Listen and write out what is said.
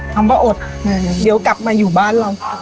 คำว่าอดเดี๋ยวกลับมาอยู่บ้านเรา